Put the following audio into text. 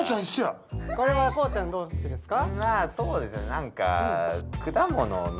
これはこうちゃんどうしてですか？